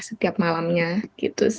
setiap malamnya gitu sih mas